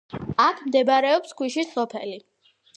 აქ მდებარეობს ქვიშის სოფელი.